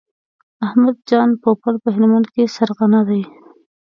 احمد جان پوپل په هلمند کې سرغنه دی.